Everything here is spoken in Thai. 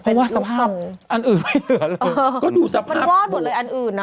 เพราะว่าสภาพอันอื่นไม่เหลือเลยเออก็ดูสภาพมันวอดหมดเลยอันอื่นนะ